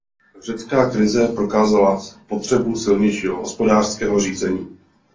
Řecká krize prokázala potřebu silnějšího hospodářského řízení.